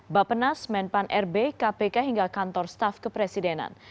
bapenas menpan rb kpk hingga kantor staf kepresidenan